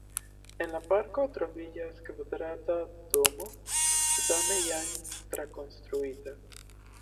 En la parko troviĝas kvadrata domo, same jam trakonstruita.